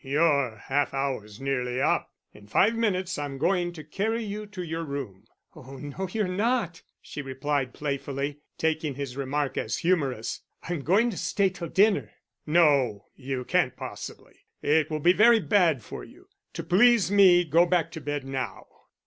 "Your half hour's nearly up. In five minutes I'm going to carry you to your room." "Oh no, you're not," she replied playfully, taking his remark as humorous. "I'm going to stay till dinner." "No, you can't possibly. It will be very bad for you.... To please me go back to bed now."